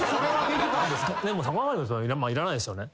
でも逆上がりもいらないですよね。